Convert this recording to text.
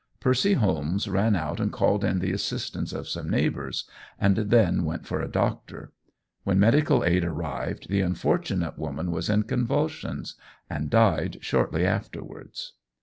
Percy Holmes ran out and called in the assistance of some neighbours, and then went for a doctor. When medical aid arrived, the unfortunate woman was in convulsions and died shortly afterwards.